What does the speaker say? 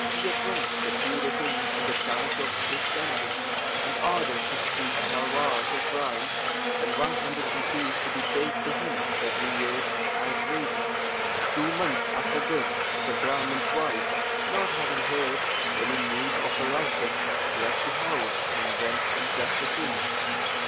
He at once deputed him to the charge of this temple, and ordered fifty kharwars of rice and one hundred rupees to be paid to him every year as wages. Two months after this, the Brahman's wife, not having heard any news of her husband, left the house and went in quest of him.